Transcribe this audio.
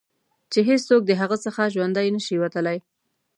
چې هېڅوک د هغه څخه ژوندي نه شي وتلای.